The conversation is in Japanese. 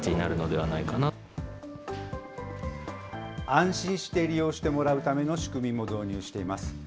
安心して利用してもらうための仕組みも導入しています。